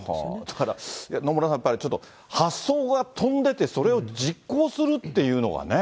だから野村さん、やっぱりちょっと発想が飛んでて、それを実行するっていうのがね。